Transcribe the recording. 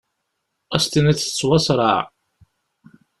As-tiniḍ tettwasraɛ.